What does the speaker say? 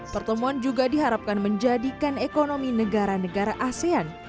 pertemuan juga diharapkan menjadikan ekonomi negara negara asean